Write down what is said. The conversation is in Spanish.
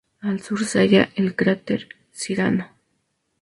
Al sur se halla el cráter Cyrano.